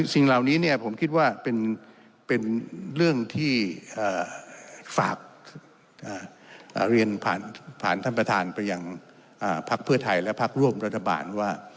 สิ่งเหล่านี้ผมคิดว่าเป็นเรื่องที่ฝากเรียนผ่านท่านประธานไปยังพักเพื่อไทยและพักร่วมรัฐบาลว่า